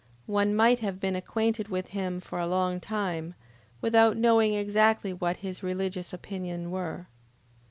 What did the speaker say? One might have been acquainted with him for a long time, without knowing exactly what his religious opinion were.